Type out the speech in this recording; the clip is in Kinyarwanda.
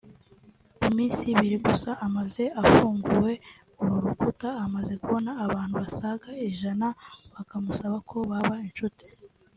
Ku minsi ibiri gusa amaze afunguye uru rukuta amaze kubona abantu basaga ijana bamusaba ko baba inshuti